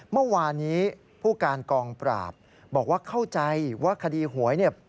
เมื่อวานี้ผู้การกองปราบบอกว่าเข้าใจว่าคดีหวยเนี่ย